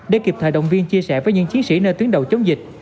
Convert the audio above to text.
để kịp thời động viên chia sẻ với những chiến sĩ nơi tuyến đầu chống dịch